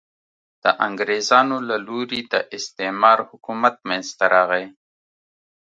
د انګرېزانو له لوري د استعمار حکومت منځته راغی.